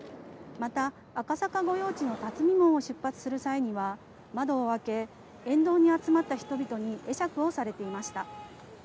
また赤坂御用地の巽門を出発する際には窓を開け、沿道に集まった人々に会釈をされていました。